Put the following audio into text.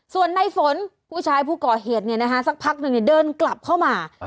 ส่วนในฝนผู้ชายผู้ก่อเหตุสักพักหนึ่งเดินกลับเข้ามา